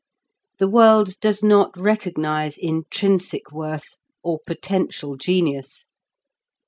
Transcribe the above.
The world does not recognise intrinsic worth, or potential genius.